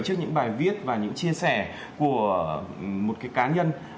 trước những bài viết và những chia sẻ của một cái cá nhân